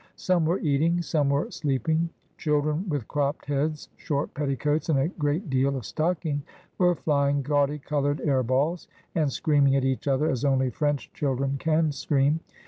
Some were eating, some were sleeping. Children with cropped heads, short petticoats, and a great deal of stocking, were flying gaudy coloured air balls, and screaming at each other as only French children can scream.